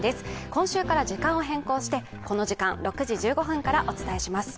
今週から時間を変更して、この時間６時１５分からお伝えします。